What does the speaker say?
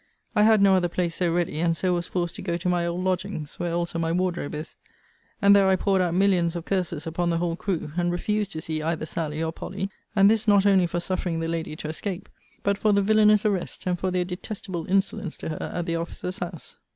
I had no other place so ready, and so was forced to go to my old lodgings, where also my wardrobe is; and there I poured out millions of curses upon the whole crew, and refused to see either Sally or Polly; and this not only for suffering the lady to escape, but for the villanous arrest, and for their detestable insolence to her at the officer's house.